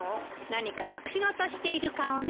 何か隠し事している顔ね。